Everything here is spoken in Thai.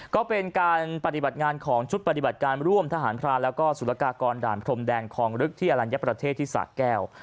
ก็เป็นการปฏิบัติงานของชุดปฏิบัติการร่วมทหารพรานแล้วก็สุรกากรด่านพรมแดนคลองลึกที่อลัญญประเทศที่สะแก้ว